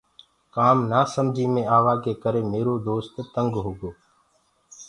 ڪآم نآسمجي مي آوآ ڪي ڪري ميرو دو تينگ هوگو۔